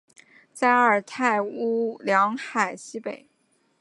在阿尔泰乌梁海西北。